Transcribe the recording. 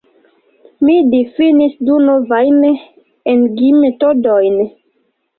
Mi difinis du novajn enigmetodojn.